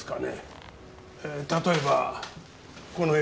例えばこの絵だと。